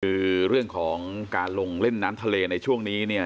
คือเรื่องของการลงเล่นน้ำทะเลในช่วงนี้เนี่ย